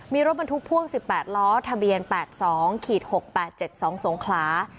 มีรถบรรทุกพ่วง๑๘ล้อทะเบียน๘๒๖๘๗๒สงขลา